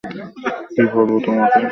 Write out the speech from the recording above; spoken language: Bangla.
কি বলবো তোমাকে?